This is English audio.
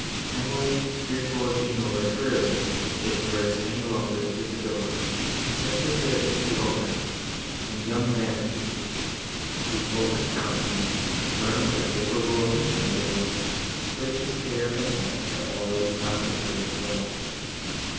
Emily, fearful of being overheard, if they conversed any longer through the door, consented that it should be opened, and a young man appeared, whose open countenance confirmed the favourable opinion of him, which his care of Annette had already prompted her to form.